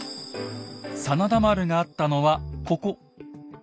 真田丸があったのはここ。